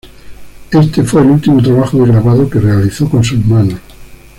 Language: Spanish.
Este fue el último trabajo de grabado que realizó con sus manos.